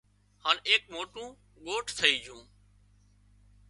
هانَ ايڪ موٽون ڳوٺ ٿئي جھون